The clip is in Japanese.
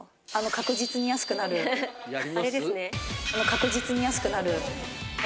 確実に安くなるやつ。